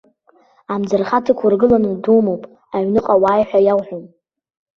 Амӡырха дықәыргыланы думоуп, аҩныҟа уааи ҳәа иауҳәом!